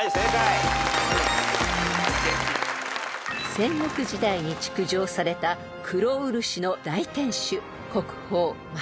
［戦国時代に築城された黒漆の大天守国宝松本城］